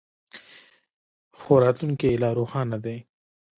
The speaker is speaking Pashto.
خو راتلونکی یې لا روښانه دی.